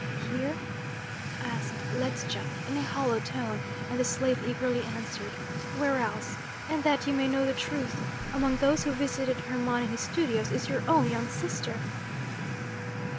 "Here?" asked Ledscha in a hollow tone; and the slave eagerly answered: "Where else? And that you may know the truth among those who visited Hermon in his studio is your own young sister."